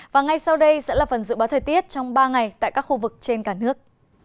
và ngay sau đây sẽ là phần dự báo thời tiết trong ba ngày tại các khu vực trên cả nước